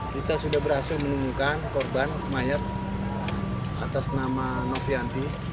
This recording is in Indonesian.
kita sudah berhasil menemukan korban mayat atas nama novianti